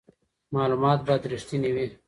معلومات باید رښتیني وي.